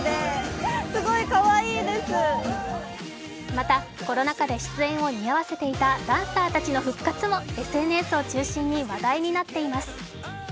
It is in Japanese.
また、コロナ禍で出演を見合わせていたダンサーたちの復活もＳＮＳを中心に話題になっています。